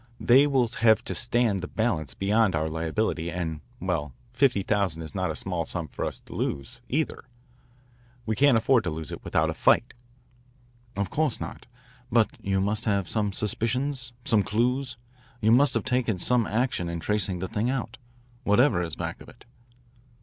They will have to stand the balance beyond our liability and, well, fifty thousand is not a small sum for us to lose, either. We can't afford to lose it without a fight." "Of course not. But you must have some suspicions, some clues. You must have taken some action in tracing the thing out, whatever is back of it."